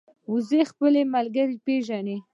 وزې خپل ملګري پېژني